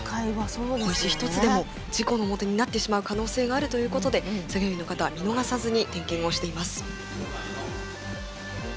小石１つでも事故のもとになってしまう可能性があるということで作業員の方は見逃さずに点検をしています。